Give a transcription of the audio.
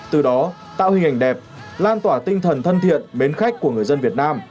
từ đó tạo hình ảnh đẹp lan tỏa tinh thần thân thiện mến khách của người dân việt nam